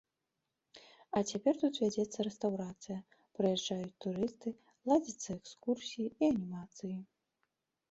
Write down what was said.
А цяпер тут вядзецца рэстаўрацыя, прыязджаюць турысты, ладзяцца экскурсіі і анімацыі.